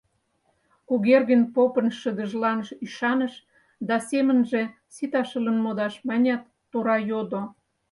Кугергин попын шыдыжлан ӱшаныш да, семынже «Сита шылын модаш!» манят, тура йодо: